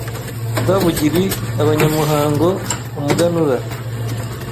Rwabugiri abanyamuhango ’umuganura